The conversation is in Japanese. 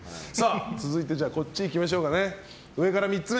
続いて、こっちにいきましょうか。